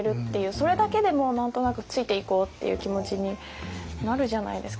それだけでも何となくついていこうっていう気持ちになるじゃないですか。